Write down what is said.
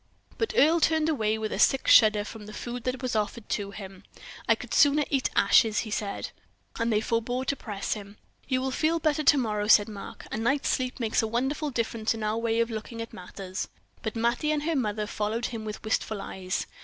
But Earle turned away with a sick shudder from the food that was offered to him. "I could sooner eat ashes," he said. And they forebore to press him. "You will feel better to morrow," said Mark. "A night's sleep makes a wonderful difference in our way of looking at matters." But Mattie and her mother followed him with wistful eyes.